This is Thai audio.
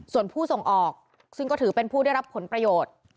ส่วนผู้ส่งออกซึ่งก็ถือเป็นผู้ได้รับผลประโยชน์